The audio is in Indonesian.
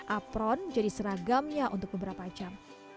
apron jadi seragamnya untuk beberapa jam